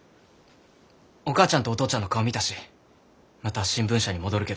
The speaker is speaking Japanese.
お母ちゃんとお父ちゃんの顔見たしまた新聞社に戻るけど。